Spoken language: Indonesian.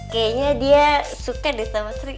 kayaknya dia suka deh sama sri